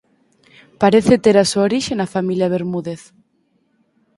Parece ter a súa orixe na familia Bermúdez.